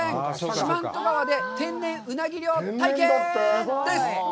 四万十川で天然うなぎ漁体験」です。